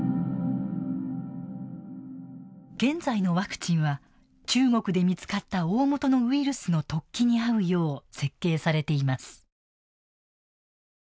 現在のワクチンは中国で見つかったおおもとのウイルスの突起に合うよう設計されています。